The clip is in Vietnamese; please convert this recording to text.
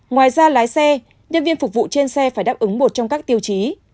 ngoài ra lái xe nhân viên phục vụ trên xe phải đáp ứng một trong các tiêu chí